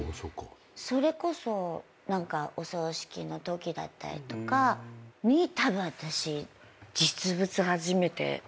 それこそお葬式のときだったりとかにたぶん私実物初めて。